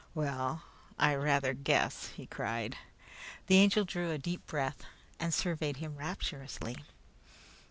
"Well, I rather guess!" he cried. The Angel drew a deep breath and surveyed him rapturously.